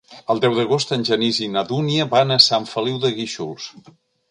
El deu d'agost en Genís i na Dúnia van a Sant Feliu de Guíxols.